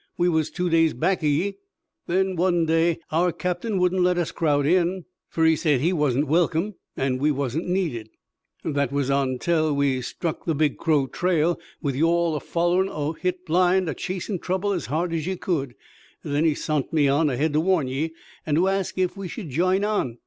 "We was two days back o' ye, then one day. Our captain wouldn't let us crowd in, fer he said he wasn't welcome an' we wasn't needed. "That was ontel we struck the big Crow trail, with you all a follerin' o' hit blind, a chasin' trouble as hard as ye could. Then he sont me on ahead to warn ye an' to ask ef we should jine on.